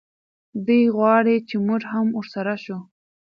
دی غواړي چې موږ هم ورسره شو.